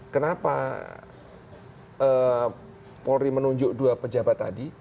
kenapa polri menunjuk dua pejabat tadi